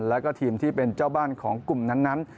แล้วก็ทีมที่เป็นเจ้าบ้านของกลุ่มนั้น